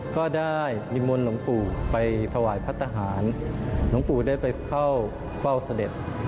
ก็ได้มิมวลหลงปู่ไปถวายพัฒนาหารหลงปู่ได้ไปเข้าเป้าเสด็จ